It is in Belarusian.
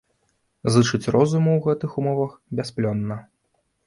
Зычыць розуму ў гэтых умовах бясплённа.